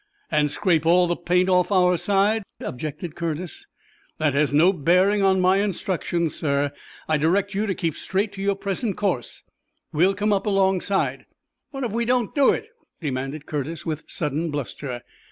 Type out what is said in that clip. "And scrape all the paint off our side," objected Curtis. "That has no bearing on my instructions, sir. I direct you to keep straight to your present course. We will come up alongside." "What if we don't do it?" demanded Curtis, with sudden bluster.